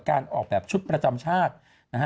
การออกแบบชุดประจำชาตินะฮะ